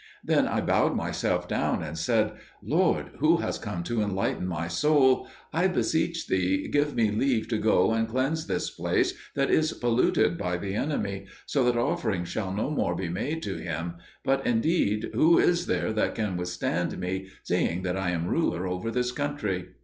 Then I bowed myself down and said, "Lord, who hast come to enlighten my soul, I beseech thee, give me leave to go and cleanse this place that is polluted by the enemy, so that offerings shall no more be made to him; but, indeed, who is there that can withstand me, seeing that I am ruler over this country?"